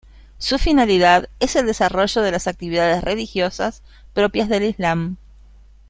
Su finalidad es el desarrollo de las actividades religiosas propias del Islam.